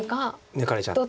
抜かれちゃって。